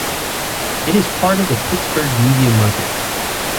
It is part of the Pittsburgh Media Market.